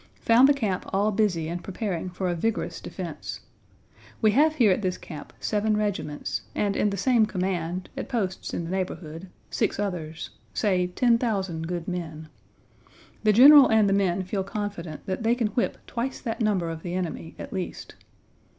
Found the camp all busy and preparing for a vigorous defense. We have here at this camp seven regiments, and in the same command, at posts in the neighborhood, six others say, ten thousand good men. The General and the men feel confident that they can whip twice that number of the enemy, at least.